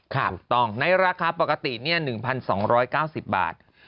ถูกต้องในราคาปกติ๑๒๙๐บาท